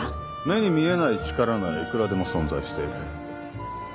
目に見えない力ならいくらでも存在している。